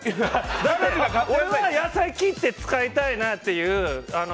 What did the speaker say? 俺は野菜を切って使いたいなっていう。